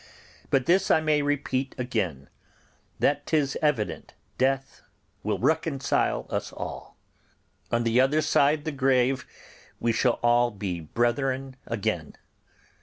But this I may repeat again, that 'tis evident death will reconcile us all; on the other side the grave we shall be all brethren again.